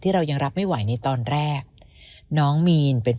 พี่ชายของน้องก็จริงใจและจริงจังนะ